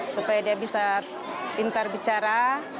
supaya dia bisa pintar bicara